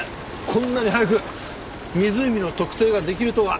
こんなに早く湖の特定が出来るとは。